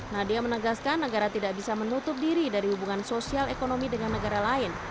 nadia menegaskan negara tidak bisa menutup diri dari hubungan sosial ekonomi dengan negara lain